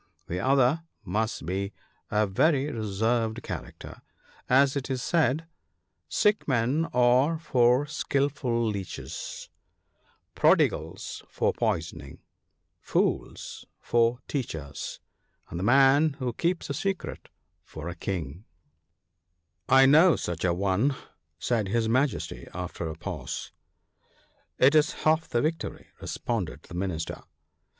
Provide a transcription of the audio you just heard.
The other must be a very reserved character ; as it is said —" Sick men are for skilful leeches — prodigals for prisoning — Fools for teachers — and the man who keeps a secret, for a King.'* G 98 THE BOOK OF GOOD COUNSELS. " I know such an one," said his Majesty, after a pause. " It is half the victory," responded the Minister.